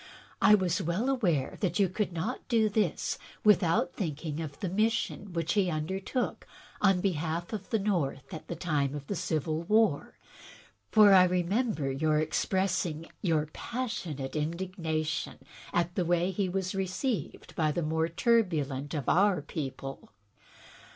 I was well aware that you could not do this without thinking of the mis sion which he undertook on behalf of the North at the time of the Civil War, for I remember you expressing your passionate indigna tion at the way in which he was received by the more turbulent of our people.